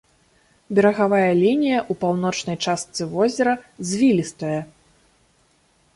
Берагавая лінія ў паўночнай частцы возера звілістая.